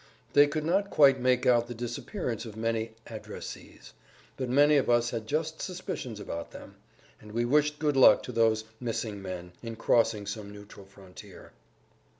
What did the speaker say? They could not quite make out the disappearance of many "addressees," but many of us had just suspicions about them, and we wished good luck to those "missing men" in crossing some neutral frontier.